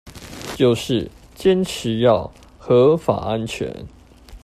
就是堅持要合法安全